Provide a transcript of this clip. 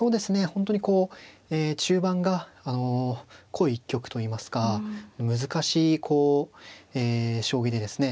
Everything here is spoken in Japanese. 本当にこう中盤が濃い一局といいますか難しいこう将棋でですね